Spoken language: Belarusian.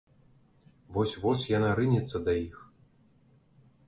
Вось-вось яна рынецца да іх.